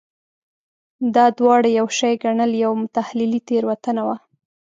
دا دواړه یو شی ګڼل یوه تحلیلي تېروتنه وه.